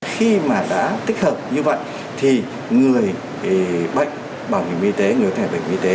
khi mà đã tích hợp như vậy thì người bệnh bảo hiểm y tế người có thể bệnh y tế